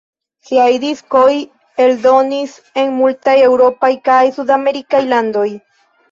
Siaj diskoj eldonis en multaj eŭropaj kaj sudamerikaj landoj.